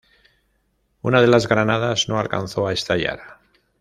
Una de las granadas no alcanzó a estallar.